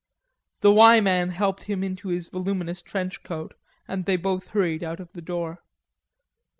The "Y" man helped him into his voluminous trench coat and they both hurried out of the door.